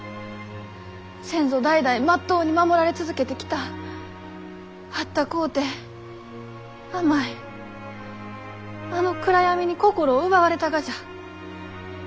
先祖代々まっとうに守られ続けてきたあったこうて甘いあの暗闇に心を奪われたがじゃ。